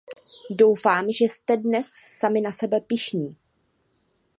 Doufám, že jste dnes sami na sebe pyšní.